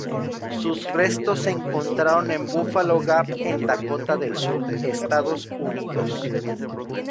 Su restos se encontraron en Buffalo Gap en Dakota del Sur, Estados Unidos.